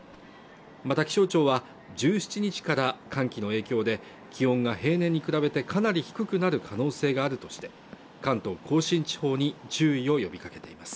また気象庁は１７日から寒気の影響で気温が平年に比べてかなり低くなる可能性があるとして関東甲信地方に注意を呼びかけています